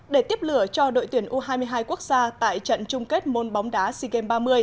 để tiếp lửa cho đội tuyển u hai mươi hai quốc gia tại trận chung kết môn bóng đá sea games ba mươi